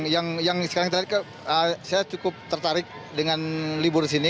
yang sekarang saya cukup tertarik dengan libur sini